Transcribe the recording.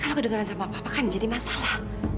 kalo kedengaran sama papa kan jadi masalah